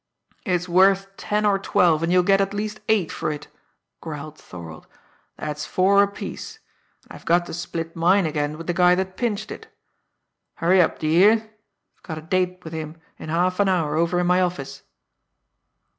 "It's worth ten or twelve, and you'll get at least eight for it," growled Thorold. "That's four apiece and I've got to split mine again with the guy that pinched it. Hurry up, d'yer hear I've got a date with him in half an hour over in my office."